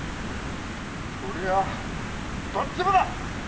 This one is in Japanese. そりゃあどっちもだ！